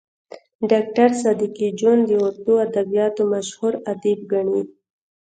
ډاکټر صدیقي جون د اردو ادبياتو مشهور ادیب ګڼي